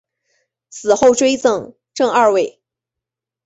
死后追赠正二位。